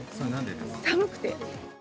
寒くて。